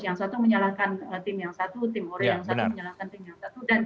yang satu menyalahkan tim yang satu tim ore yang satu menyalahkan tim yang satu